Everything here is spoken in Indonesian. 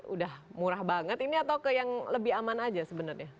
udah murah banget ini atau ke yang lebih aman aja sebenarnya